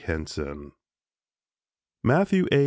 HENSON "Matthew A.